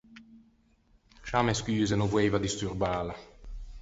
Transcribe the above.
Scià me scuse, no voeiva disturbâla.